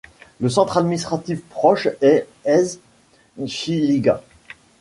Le centre administratif proche est Ez-Zhiliga.